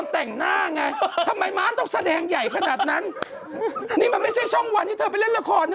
ตัวย่อยหญิงหรือชอชางคะ